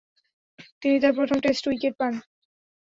তিনি তার প্রথম টেস্ট উইকেট পান।